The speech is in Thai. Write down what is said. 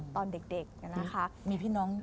ตอนเด็ก